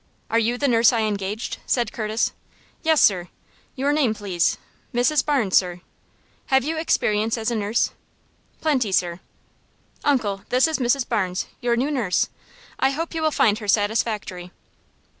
"Are you the nurse I engaged?" said Curtis. "Yes, sir." "Your name, please." "Mrs. Barnes, sir." "Have you experience as a nurse?" "Plenty, sir." "Uncle, this is Mrs. Barnes, your new nurse. I hope you will find her satisfactory."